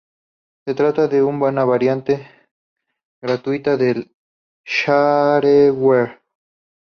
Se trata de una variante gratuita del "shareware".